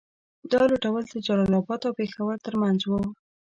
دا لوټول د جلال اباد او پېښور تر منځ وو.